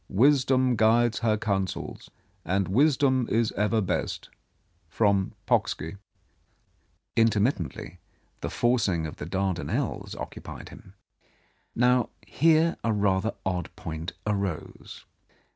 Wisdom guides her counsels, and wisdom is ever best. From Pocksky." Intermittently the forcing of the Dardanelles occupied him. 182 Mrs. Andrews's Control Now, here a rather odd point arose.